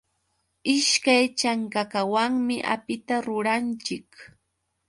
Ishkay chankakawanmi apita ruranchik.